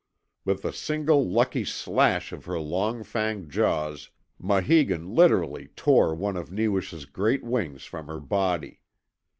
With a single lucky slash of her long fanged jaws, Maheegun literally tore one of Newish's great wings from her body.